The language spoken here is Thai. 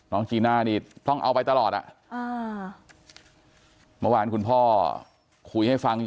จีน่านี่ต้องเอาไปตลอดอ่ะอ่าเมื่อวานคุณพ่อคุยให้ฟังอยู่